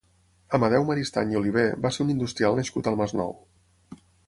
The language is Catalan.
Amadeu Maristany i Oliver va ser un industrial nascut al Masnou.